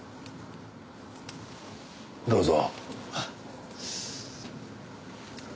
どうぞ。